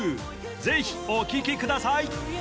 ぜひお聴きください